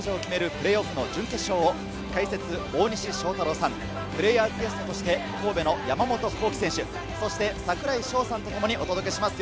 プレーオフの準決勝を解説は大西将太郎さん、プレーヤーズゲストとして神戸の山本幸輝選手、そして櫻井翔さんとともにお届けします。